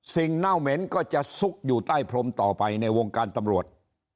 เน่าเหม็นก็จะซุกอยู่ใต้พรมต่อไปในวงการตำรวจ